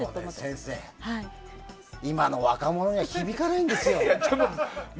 先生、今の若者には響かないんですよ。